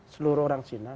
seluruh orang cina